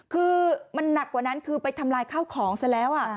คือมันหนักกว่านั้นคือไปทำลายข้าวของซะแล้ว